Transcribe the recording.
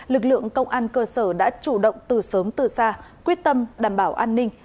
lực lượng công an cơ sở đã chủ động từ sớm từ xa quyết tâm đảm bảo an ninh